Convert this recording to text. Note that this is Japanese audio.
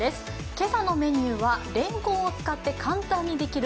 今朝のメニューはレンコンを使って簡単にできる